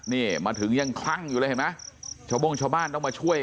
นี่มาถึงยังคลั่งอยู่เลยเห็นไหมชาวโบ้งชาวบ้านต้องมาช่วย